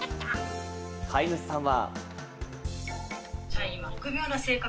飼い主さんは。